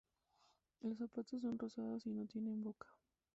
Los zapatos son rosados y no tiene boca.